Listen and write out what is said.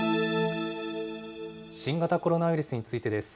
新型コロナウイルスについてです。